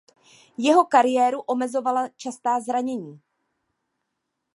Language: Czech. Jeho kariéru omezovala častá zranění.